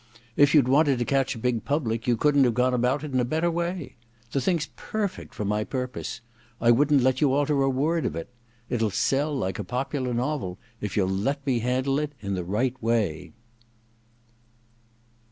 If you*d wanted to catch a big public you couldn't have gone about it in a better way. The thing's perfect for my purpose — I wouldn't let you alter a word of it. It will sell like a popular novel if you'll let me handle it in the right way.'